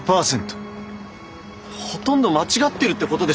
ほとんど間違ってるってことでしょ！